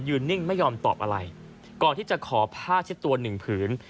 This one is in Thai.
นิ่งไม่ยอมตอบอะไรก่อนที่จะขอผ้าเช็ดตัวหนึ่งผืน